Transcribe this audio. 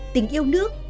tình yêu nước